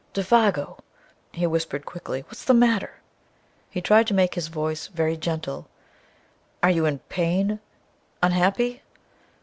"Défago," he whispered quickly, "what's the matter?" He tried to make his voice very gentle. "Are you in pain unhappy